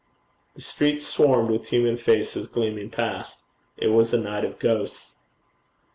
The streets swarmed with human faces gleaming past. It was a night of ghosts.